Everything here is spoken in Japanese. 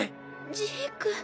ジーク。